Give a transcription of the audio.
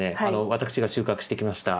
私が収穫してきました